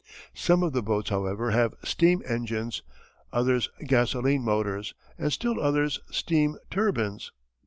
Some of the boats, however, have steam engines, others gasoline motors, and still others steam turbines.